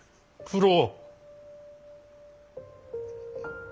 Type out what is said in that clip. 九郎。